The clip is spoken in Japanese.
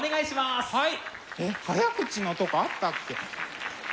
えっ早口のとこあったっけ？